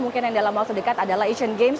mungkin yang dalam waktu dekat adalah asian games